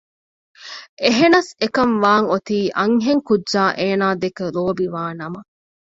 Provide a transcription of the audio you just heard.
އެހެނަސް އެކަންވާން އޮތީ އަންހެން ކުއްޖާ އޭނާދެކެ ލޯބިވާ ނަމަ